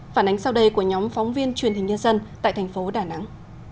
phản ánh sau đây của nhóm phóng viên truyền hình nhân dân tại thành phố đà nẵng